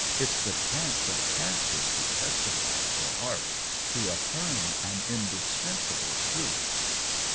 It's the chance of chances to testify for art — to affirm an indispensable truth."